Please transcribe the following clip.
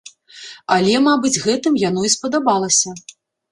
Але, мабыць гэтым яно і спадабалася.